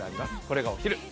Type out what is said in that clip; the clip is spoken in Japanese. これがお昼。